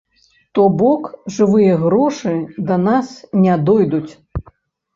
То бок, жывыя грошы да нас не дойдуць.